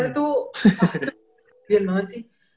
pas itu kebiasaan banget sih